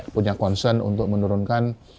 punya concern untuk menurunkan